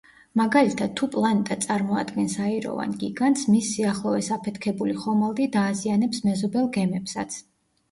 მაგალითად, თუ პლანეტა წარმოადგენს აიროვან გიგანტს, მის სიახლოვეს აფეთქებული ხომალდი დააზიანებს მეზობელ გემებსაც.